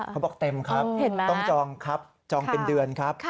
เขาบอกเต็มครับเห็นแล้วต้องจองครับจองเป็นเดือนครับ